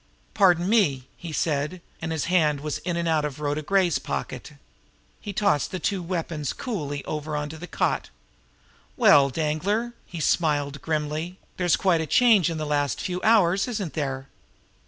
"Pardon me!" he said and his hand was in and out of Rhoda Gray's pocket. He tossed the two weapons coolly over onto the cot. "Well, Danglar," he smiled grimly, "there's quite a change in the last few hours, isn't there?"